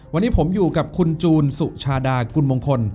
วันนี้ผมอยู่กับคุณจูนสุชาดากุลมงคล